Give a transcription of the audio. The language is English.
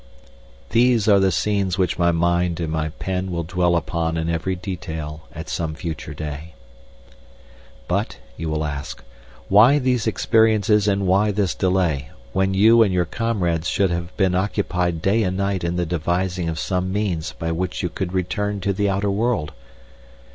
These are the scenes which my mind and my pen will dwell upon in every detail at some future day. But, you will ask, why these experiences and why this delay, when you and your comrades should have been occupied day and night in the devising of some means by which you could return to the outer world?